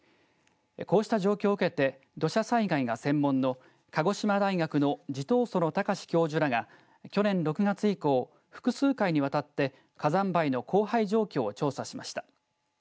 こうした状況を受けて土砂災害が専門の鹿児島大学の地頭薗隆教授らが去年６月以降複数回にわたって火山灰の降灰状況を調査しました。